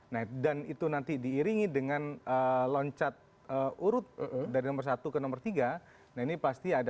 nah dan itu nanti diiringi dengan loncat urut dari nomor satu ke nomor tiga nah ini pasti ada